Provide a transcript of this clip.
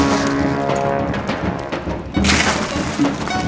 sama kang daset